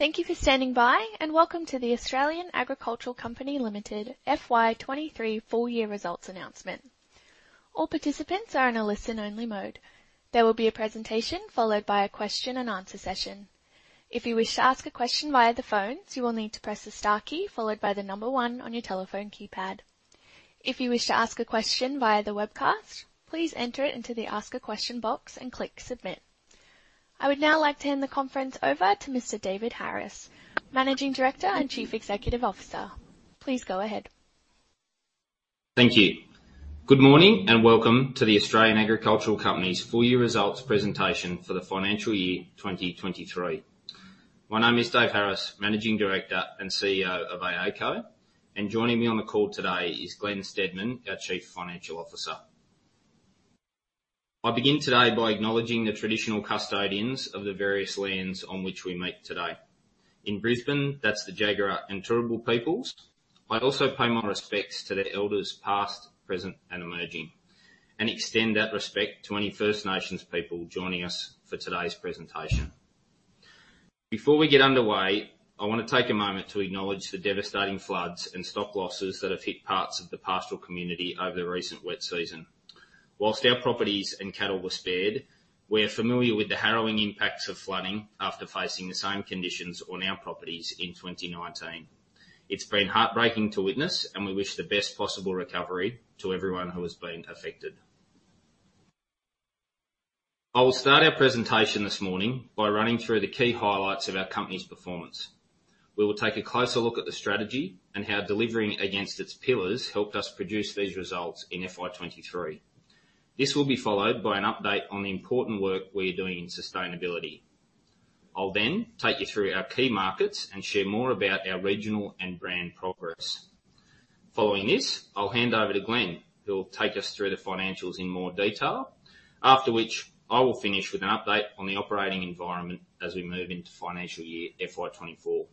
Thank you for standing by, welcome to the Australian Agricultural Company Limited FY 23 full year results announcement. All participants are in a listen only mode. There will be a presentation followed by a question and answer session. If you wish to ask a question via the phones, you will need to press the star key followed by 1 on your telephone keypad. If you wish to ask a question via the webcast, please enter it into the Ask a Question box and click Submit. I would now like to hand the conference over to Mr. David Harris, Managing Director and Chief Executive Officer. Please go ahead. Thank you. Good morning, welcome to the Australian Agricultural Company's full year results presentation for the financial year 2023. My name is Dave Harris, Managing Director and CEO of AA Co. Joining me on the call today is Glenn Steadman, our Chief Financial Officer. I begin today by acknowledging the traditional custodians of the various lands on which we meet today. In Brisbane, that's the Jagera and Turrbal peoples. I also pay my respects to the elders past, present, and emerging, and extend that respect to any First Nations people joining us for today's presentation. Before we get underway, I want to take a moment to acknowledge the devastating floods and stock losses that have hit parts of the pastoral community over the recent wet season. Whilst our properties and cattle were spared, we're familiar with the harrowing impacts of flooding after facing the same conditions on our properties in 2019. It's been heartbreaking to witness, and we wish the best possible recovery to everyone who has been affected. I will start our presentation this morning by running through the key highlights of our company's performance. We will take a closer look at the strategy and how delivering against its pillars helped us produce these results in FY 2023. This will be followed by an update on the important work we are doing in sustainability. I'll then take you through our key markets and share more about our regional and brand progress. Following this, I'll hand over to Glenn, who will take us through the financials in more detail. After which, I will finish with an update on the operating environment as we move into financial year FY 2024.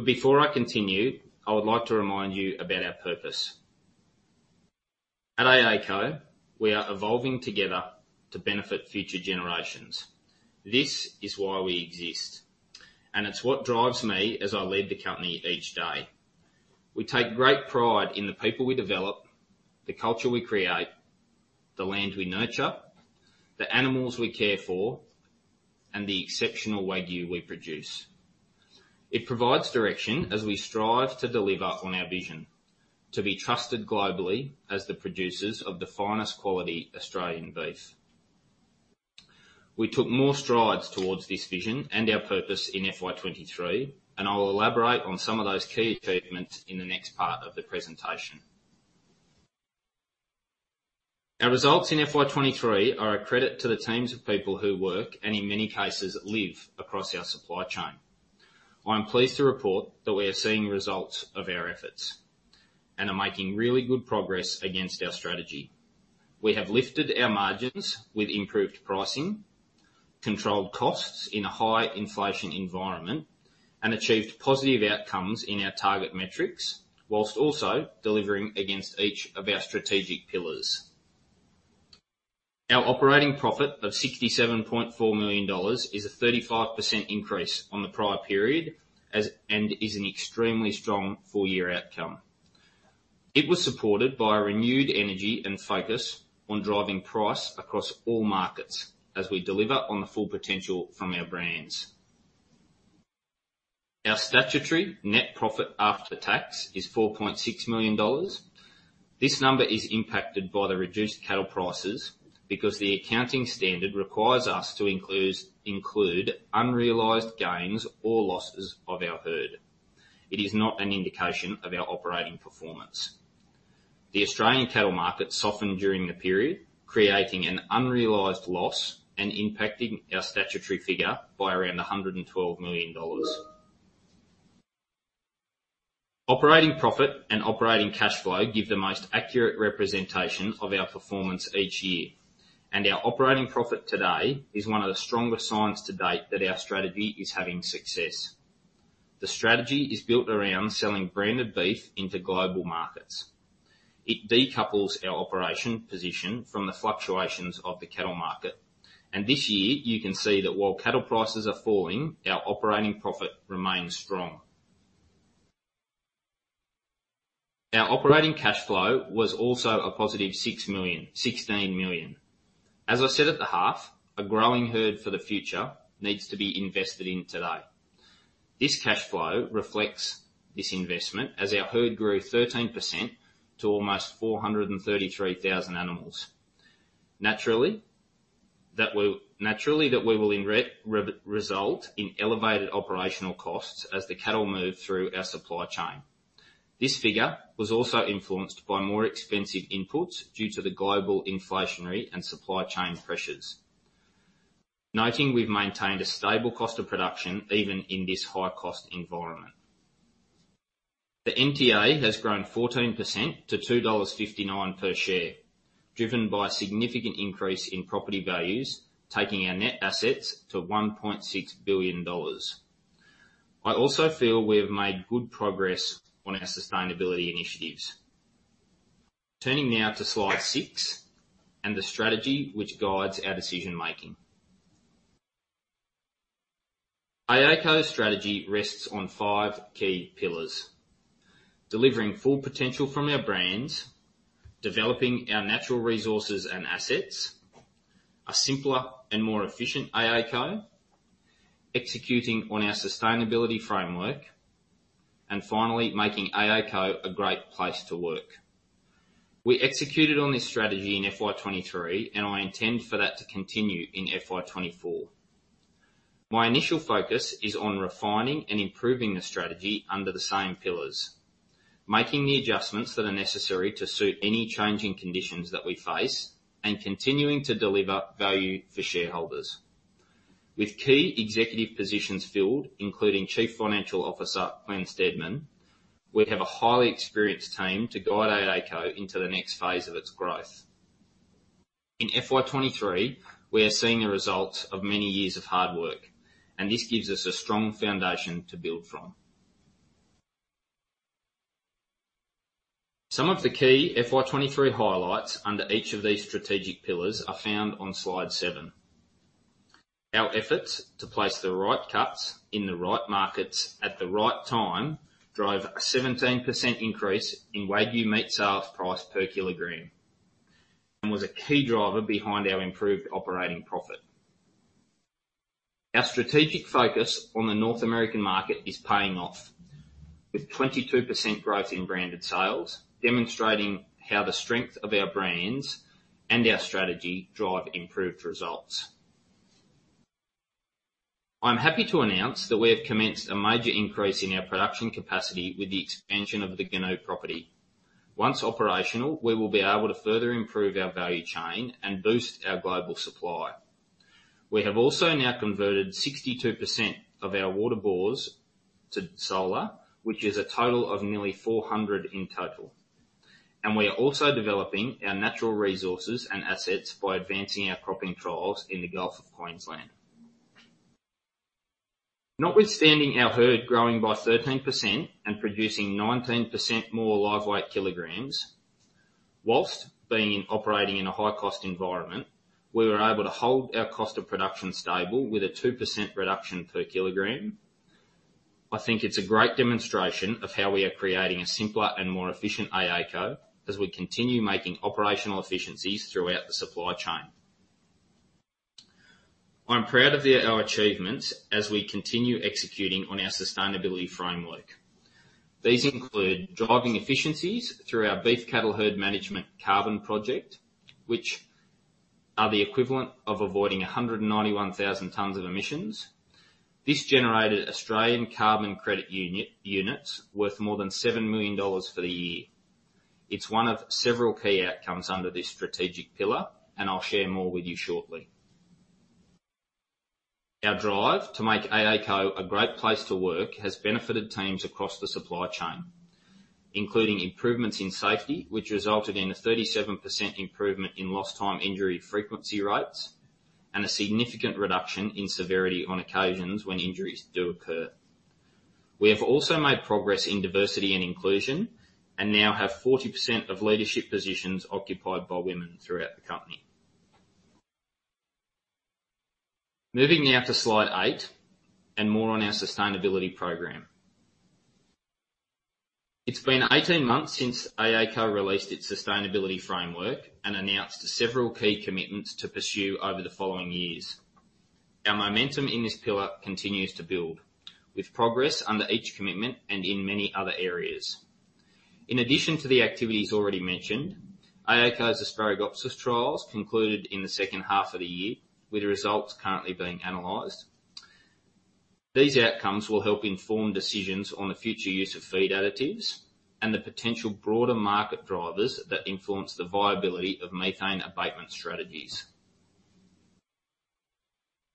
Before I continue, I would like to remind you about our purpose. At AA Co, we are evolving together to benefit future generations. This is why we exist, it's what drives me as I lead the company each day. We take great pride in the people we develop, the culture we create, the land we nurture, the animals we care for, and the exceptional Wagyu we produce. It provides direction as we strive to deliver on our vision to be trusted globally as the producers of the finest quality Australian beef. We took more strides towards this vision and our purpose in FY 2023. I'll elaborate on some of those key achievements in the next part of the presentation. Our results in FY 2023 are a credit to the teams of people who work, and in many cases, live across our supply chain. I'm pleased to report that we are seeing results of our efforts and are making really good progress against our strategy. We have lifted our margins with improved pricing, controlled costs in a high inflation environment, and achieved positive outcomes in our target metrics, while also delivering against each of our strategic pillars. Our operating profit of 67.4 million dollars is a 35% increase on the prior period and is an extremely strong full year outcome. It was supported by a renewed energy and focus on driving price across all markets as we deliver on the full potential from our brands. Our statutory net profit after tax is 4.6 million dollars. This number is impacted by the reduced cattle prices because the accounting standard requires us to include unrealized gains or losses of our herd. It is not an indication of our operating performance. The Australian cattle market softened during the period, creating an unrealized loss and impacting our statutory figure by around 112 million dollars. Operating profit and operating cash flow give the most accurate representation of our performance each year. Our operating profit today is one of the strongest signs to date that our strategy is having success. The strategy is built around selling branded beef into global markets. It decouples our operation position from the fluctuations of the cattle market. This year, you can see that while cattle prices are falling, our operating profit remains strong. Our operating cash flow was also a positive 16 million. As I said at the half, a growing herd for the future needs to be invested in today. This cash flow reflects this investment as our herd grew 13% to almost 433,000 animals. That will naturally result in elevated operational costs as the cattle move through our supply chain. This figure was also influenced by more expensive inputs due to the global inflationary and supply chain pressures. Noting we've maintained a stable cost of production even in this high-cost environment. The NTA has grown 14% to 2.59 dollars per share, driven by significant increase in property values, taking our net assets to 1.6 billion dollars. I also feel we have made good progress on our sustainability initiatives. Turning now to slide six and the strategy which guides our decision-making. AACo's strategy rests on five key pillars. Delivering full potential from our brands, developing our natural resources and assets, a simpler and more efficient AACo, executing on our sustainability framework. Finally, making AACo a great place to work. We executed on this strategy in FY 23. I intend for that to continue in FY 24. My initial focus is on refining and improving the strategy under the same pillars. Making the adjustments that are necessary to suit any changing conditions that we face. Continuing to deliver value for shareholders. With key executive positions filled, including Chief Financial Officer, Glenn Steadman, we have a highly experienced team to guide AACo into the next phase of its growth. In FY 23, we are seeing the results of many years of hard work. This gives us a strong foundation to build from. Some of the key FY23 highlights under each of these strategic pillars are found on slide 7. Our efforts to place the right cuts in the right markets at the right time drove a 17% increase in Wagyu meat sales price per kilogram, and was a key driver behind our improved operating profit. Our strategic focus on the North American market is paying off with 22% growth in branded sales, demonstrating how the strength of our brands and our strategy drive improved results. I'm happy to announce that we have commenced a major increase in our production capacity with the expansion of the Goonoo property. Once operational, we will be able to further improve our value chain and boost our global supply. We have also now converted 62% of our water bores to solar, which is a total of nearly 400 in total. We are also developing our natural resources and assets by advancing our cropping trials in the Gulf of Carpentaria. Notwithstanding our herd growing by 13% and producing 19% more live weight kilograms, whilst being operating in a high-cost environment, we were able to hold our cost of production stable with a 2% reduction per kilogram. I think it's a great demonstration of how we are creating a simpler and more efficient AACo as we continue making operational efficiencies throughout the supply chain. I'm proud of our achievements as we continue executing on our sustainability framework. These include driving efficiencies through our beef cattle herd management carbon project, which are the equivalent of avoiding 191,000 tons of emissions. This generated Australian carbon credit units worth more than 7 million dollars for the year. It's one of several key outcomes under this strategic pillar. I'll share more with you shortly. Our drive to make AACo a great place to work has benefited teams across the supply chain, including improvements in safety, which resulted in a 37% improvement in lost time injury frequency rates, and a significant reduction in severity on occasions when injuries do occur. We have also made progress in diversity and inclusion and now have 40% of leadership positions occupied by women throughout the company. Moving now to slide 8 and more on our sustainability program. It's been 18 months since AACo released its sustainability framework and announced several key commitments to pursue over the following years. Our momentum in this pillar continues to build with progress under each commitment and in many other areas. In addition to the activities already mentioned, AACo's Asparagopsis trials concluded in the second half of the year, with the results currently being analyzed. These outcomes will help inform decisions on the future use of feed additives and the potential broader market drivers that influence the viability of methane abatement strategies.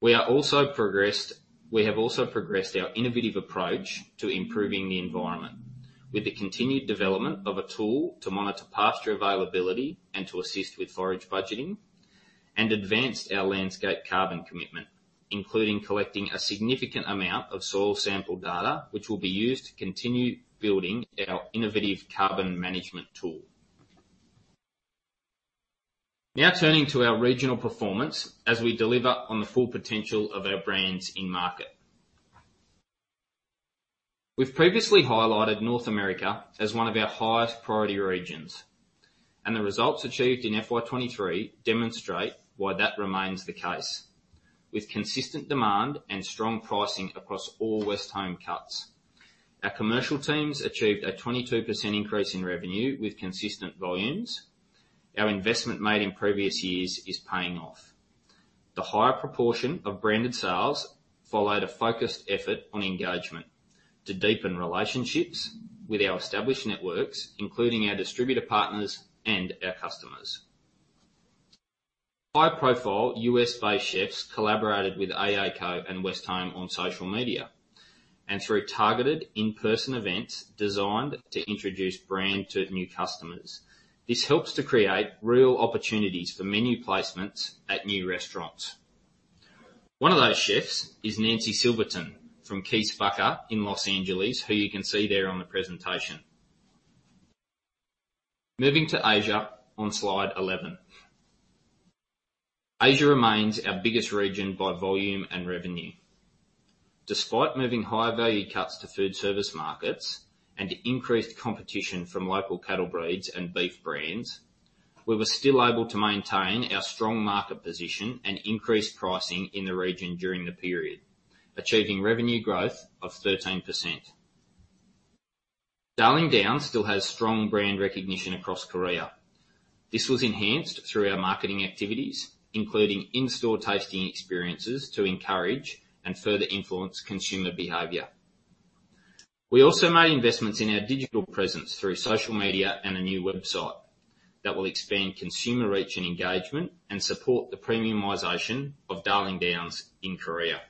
We have also progressed our innovative approach to improving the environment with the continued development of a tool to monitor pasture availability and to assist with forage budgeting, and advanced our landscape carbon commitment, including collecting a significant amount of soil sample data, which will be used to continue building our innovative carbon management tool. Turning to our regional performance as we deliver on the full potential of our brands in market. We've previously highlighted North America as one of our highest priority regions, and the results achieved in FY 2023 demonstrate why that remains the case. With consistent demand and strong pricing across all Westholme cuts. Our commercial teams achieved a 22% increase in revenue with consistent volumes. Our investment made in previous years is paying off. The higher proportion of branded sales followed a focused effort on engagement to deepen relationships with our established networks, including our distributor partners and our customers. High-profile US-based chefs collaborated with AACo and Westholme on social media and through targeted in-person events designed to introduce brand to new customers. This helps to create real opportunities for menu placements at new restaurants. One of those chefs is Nancy Silverton from chi SPACCA in Los Angeles, who you can see there on the presentation. Moving to Asia on slide 11. Asia remains our biggest region by volume and revenue. Despite moving higher value cuts to food service markets and increased competition from local cattle breeds and beef brands, we were still able to maintain our strong market position and increase pricing in the region during the period, achieving revenue growth of 13%. Darling Downs still has strong brand recognition across Korea. This was enhanced through our marketing activities, including in-store tasting experiences, to encourage and further influence consumer behavior. We also made investments in our digital presence through social media and a new website that will expand consumer reach and engagement and support the premiumization of Darling Downs in Korea.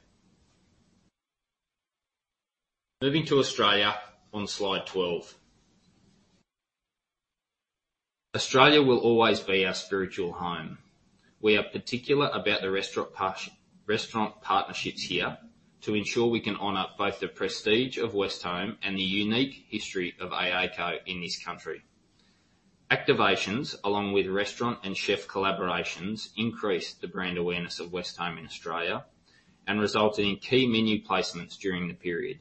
Moving to Australia on slide 12. Australia will always be our spiritual home. We are particular about the restaurant partnerships here to ensure we can honor both the prestige of Westholme and the unique history of AA Co in this country. Activations, along with restaurant and chef collaborations, increased the brand awareness of Westholme in Australia and resulted in key menu placements during the period.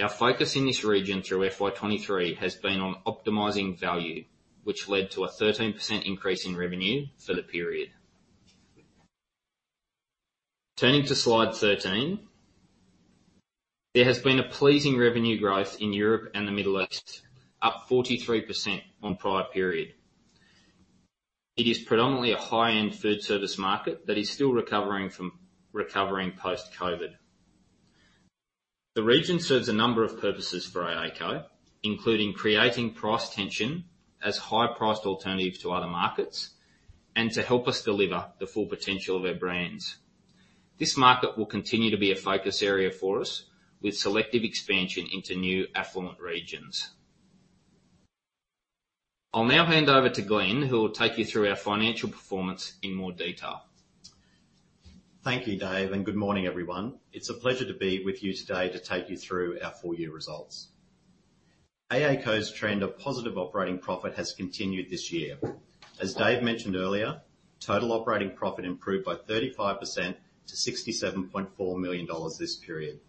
Our focus in this region through FY 2023 has been on optimizing value, which led to a 13% increase in revenue for the period. Turning to slide 13. There has been a pleasing revenue growth in Europe and the Middle East, up 43% on prior period. It is predominantly a high-end food service market that is still recovering post-COVID. The region serves a number of purposes for AA Co, including creating price tension as high-priced alternatives to other markets and to help us deliver the full potential of our brands. This market will continue to be a focus area for us with selective expansion into new affluent regions. I'll now hand over to Glenn, who will take you through our financial performance in more detail. Thank you, Dave. Good morning, everyone. It's a pleasure to be with you today to take you through our full year results. AA Co's trend of positive operating profit has continued this year. As Dave mentioned earlier, total operating profit improved by 35% to 67.4 million dollars this period.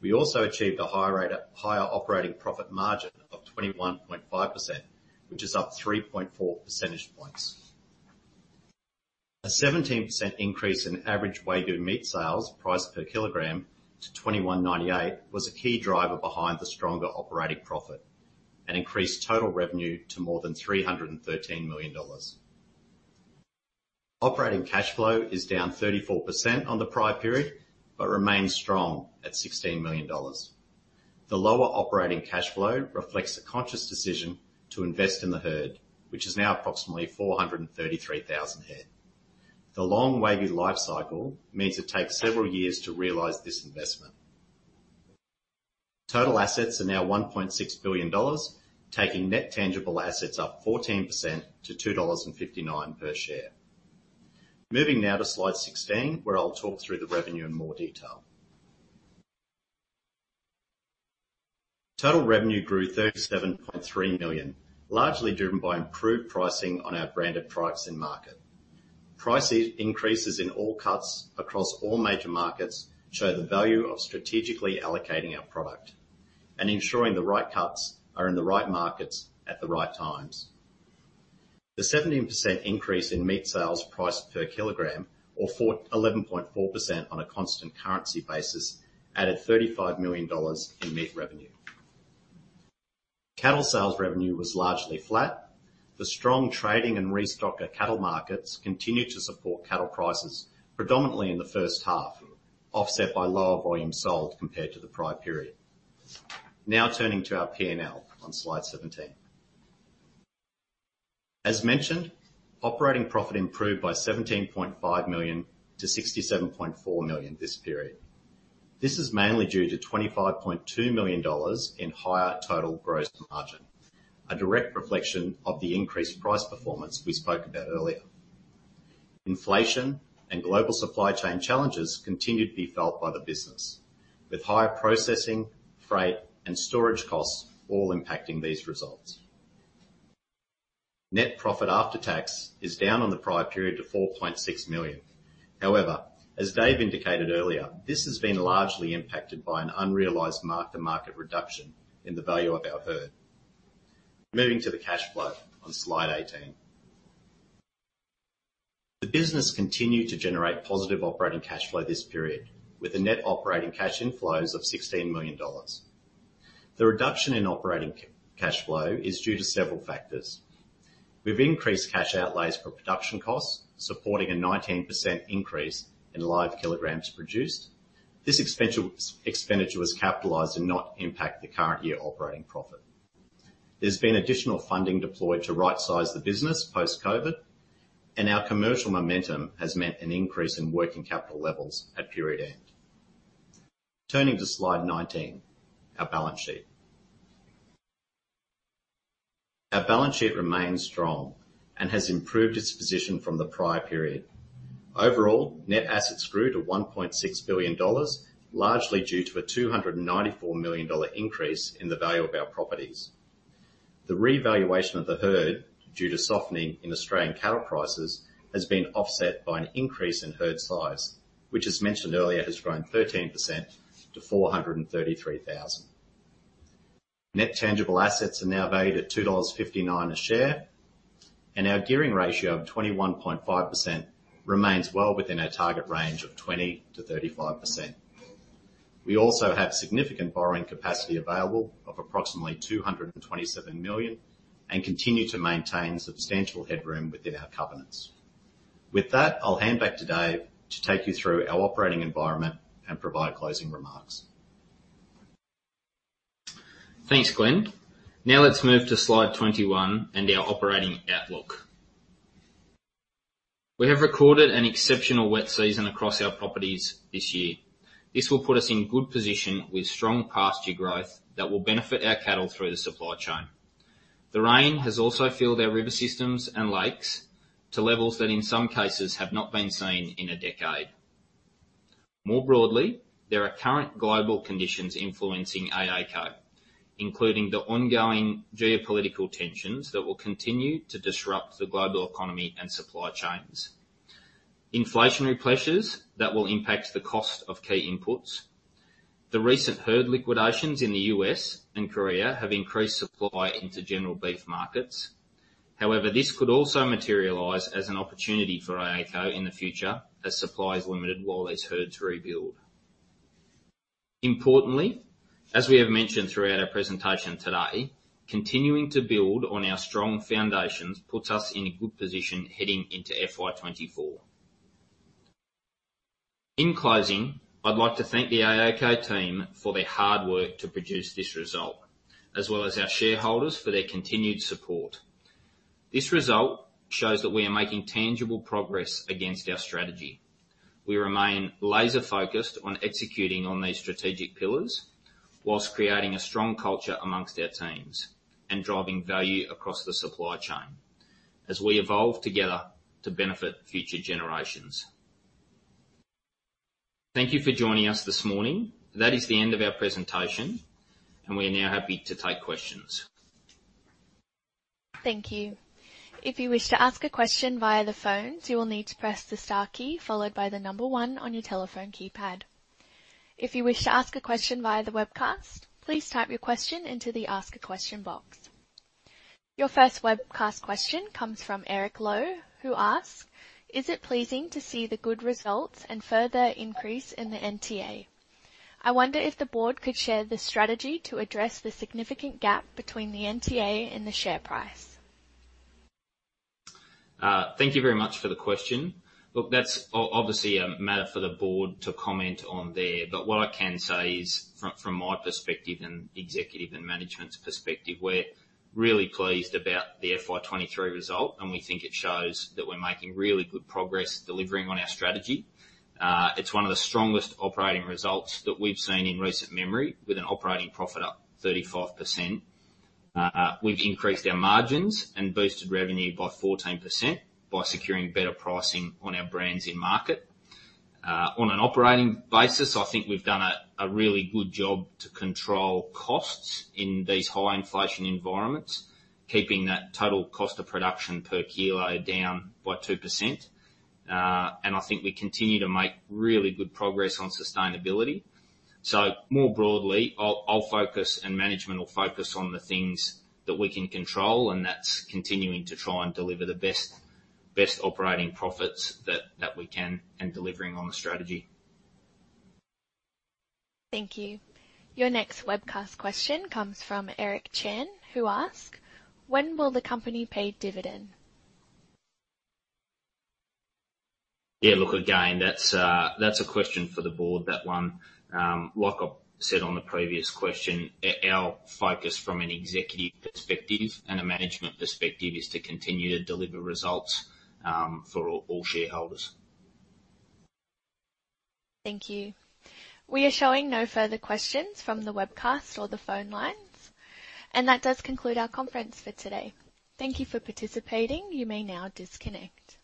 We also achieved a higher operating profit margin of 21.5%, which is up 3.4 percentage points. A 17% increase in average Wagyu meat sales price per kilogram to 21.98 was a key driver behind the stronger operating profit and increased total revenue to more than 313 million dollars. Operating cash flow is down 34% on the prior period, remains strong at 16 million dollars. The lower operating cash flow reflects a conscious decision to invest in the herd, which is now approximately 433,000 head. The long Wagyu life cycle means it takes several years to realize this investment. Total assets are now 1.6 billion dollars, taking net tangible assets up 14% to 2.59 dollars per share. Moving now to Slide 16, where I'll talk through the revenue in more detail. Total revenue grew 37.3 million, largely driven by improved pricing on our branded products in market. Price increases in all cuts across all major markets show the value of strategically allocating our product and ensuring the right cuts are in the right markets at the right times. The 17% increase in meat sales price per kilogram, or 11.4% on a constant currency basis, added 35 million dollars in meat revenue. Cattle sales revenue was largely flat. The strong trading and restocker cattle markets continued to support cattle prices predominantly in the first half, offset by lower volume sold compared to the prior period. Turning to our P&L on slide 17. As mentioned, operating profit improved by 17.5 million to 67.4 million this period. This is mainly due to AUD 25.2 million in higher total gross margin, a direct reflection of the increased price performance we spoke about earlier. Inflation and global supply chain challenges continued to be felt by the business, with higher processing, freight, and storage costs all impacting these results. Net profit after tax is down on the prior period to 4.6 million. However, as Dave indicated earlier, this has been largely impacted by an unrealized mark-to-market reduction in the value of our herd. Moving to the cash flow on slide 18. The business continued to generate positive operating cash flow this period with the net operating cash inflows of 16 million dollars. The reduction in operating cash flow is due to several factors. We've increased cash outlays for production costs, supporting a 19% increase in live kilograms produced. This expenditure was capitalized and not impact the current year operating profit. There's been additional funding deployed to right-size the business post-Covid, and our commercial momentum has meant an increase in working capital levels at period end. Turning to slide 19, our balance sheet. Our balance sheet remains strong and has improved its position from the prior period. Overall, net assets grew to 1.6 billion dollars, largely due to a 294 million dollar increase in the value of our properties. The revaluation of the herd, due to softening in Australian cattle prices, has been offset by an increase in herd size, which, as mentioned earlier, has grown 13% to 433,000. Net tangible assets are now valued at 2.59 dollars a share, and our gearing ratio of 21.5% remains well within our target range of 20%-35%. We also have significant borrowing capacity available of approximately 227 million and continue to maintain substantial headroom within our covenants. With that, I'll hand back to Dave Harris to take you through our operating environment and provide closing remarks. Thanks, Glen. Let's move to slide 21 and our operating outlook. We have recorded an exceptional wet season across our properties this year. This will put us in good position with strong pasture growth that will benefit our cattle through the supply chain. The rain has also filled our river systems and lakes to levels that, in some cases, have not been seen in a decade. More broadly, there are current global conditions influencing AACo, including the ongoing geopolitical tensions that will continue to disrupt the global economy and supply chains. Inflationary pressures that will impact the cost of key inputs. The recent herd liquidations in the U.S. and Korea have increased supply into general beef markets. However, this could also materialize as an opportunity for AACo in the future as supply is limited while these herds rebuild. Importantly, as we have mentioned throughout our presentation today, continuing to build on our strong foundations puts us in a good position heading into FY 2024. In closing, I'd like to thank the AACo team for their hard work to produce this result, as well as our shareholders for their continued support. This result shows that we are making tangible progress against our strategy. We remain laser-focused on executing on these strategic pillars whilst creating a strong culture amongst our teams and driving value across the supply chain as we evolve together to benefit future generations. Thank you for joining us this morning. That is the end of our presentation, and we are now happy to take questions. Thank you. If you wish to ask a question via the phones, you will need to press the star key followed by 1 on your telephone keypad. If you wish to ask a question via the webcast, please type your question into the ask a question box. Your first webcast question comes from Eric Lowe, who asks, "Is it pleasing to see the good results and further increase in the NTA? I wonder if the board could share the strategy to address the significant gap between the NTA and the share price. Thank you very much for the question. Look, that's obviously a matter for the board to comment on there. What I can say is from my perspective and executive and management's perspective, we're really pleased about the FY 23 result, and we think it shows that we're making really good progress delivering on our strategy. It's one of the strongest operating results that we've seen in recent memory with an operating profit up 35%. We've increased our margins and boosted revenue by 14% by securing better pricing on our brands in market. On an operating basis, I think we've done a really good job to control costs in these high inflation environments, keeping that total cost of production per kilo down by 2%. I think we continue to make really good progress on sustainability. More broadly, I'll focus and management will focus on the things that we can control, and that's continuing to try and deliver the best operating profits that we can and delivering on the strategy. Thank you. Your next webcast question comes from Eric Chen, who asks, "When will the company pay dividend? Yeah, look, again, that's a question for the board, that one. Like I said on the previous question, our focus from an executive perspective and a management perspective is to continue to deliver results, for all shareholders. Thank you. We are showing no further questions from the webcast or the phone lines. That does conclude our conference for today. Thank you for participating. You may now disconnect.